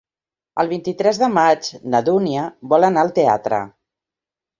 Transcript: El vint-i-tres de maig na Dúnia vol anar al teatre.